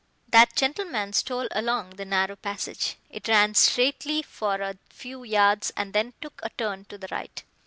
That gentleman stole along the narrow passage: It ran straightly for a few yards and then took a turn to the right.